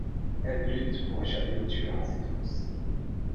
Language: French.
Elle lutte pour échapper aux tueurs à ses trousses.